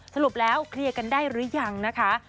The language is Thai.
สรุปแล้วเคลียร์กันได้หรือยังนะคะ